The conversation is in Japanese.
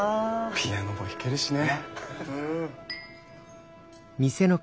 ピアノも弾けるしね。